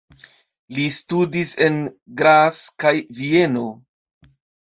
Li studis en Graz kaj Vieno.